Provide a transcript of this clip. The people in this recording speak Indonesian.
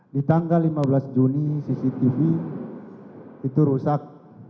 di tanggal lima belas juni cctv itu rusak